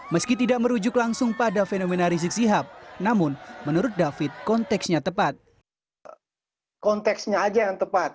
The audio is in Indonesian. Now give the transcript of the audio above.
meski tidak merujuk langsung pada fenomena rizik sihab namun menurut david konteksnya tepat